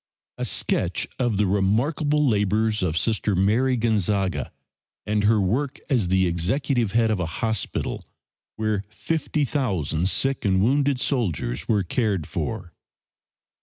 A sketch of the remarkable labors of Sister Mary Gonzaga and her work as the executive head of a hospital where 50,000 sick and wounded soldiers were cared for.